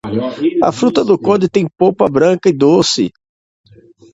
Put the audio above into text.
A fruta-do-conde tem polpa branca e doce.